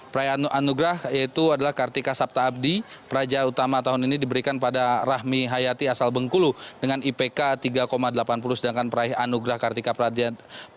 praja anugrah yaitu adalah kartika sabta abdi praja utama tahun ini diberikan pada rahmi hayati asal bengkulu dengan ipk tiga delapan puluh sedangkan praih anugrah kartika pratnya utama tahun ini